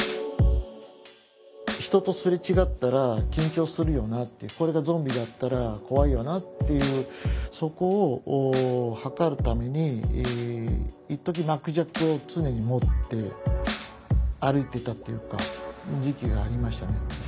人とすれ違ったら緊張するよなっていうこれがゾンビだったら怖いよなっていうそこを測るためにいっとき巻き尺を常に持って歩いていたっていうか時期がありましたね。